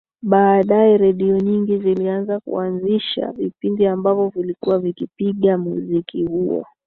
Baadae redio nyingi zilianza kuanzisha vipindi ambavyo vilikuwa vikipiga muziki huo